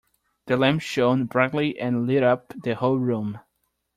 The lamp shone brightly and lit up the whole room.